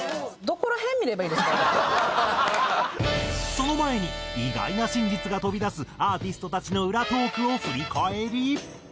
その前に意外な真実が飛び出すアーティストたちの裏トークを振り返り！